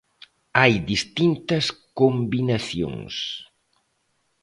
Hai distintas combinacións.